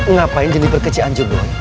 ngapain jenipet ke cianjur doi